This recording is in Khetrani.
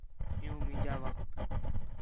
عِیّوں مینجا وخت